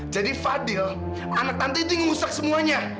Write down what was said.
jadi fadil anak tante itu yang mengusak semuanya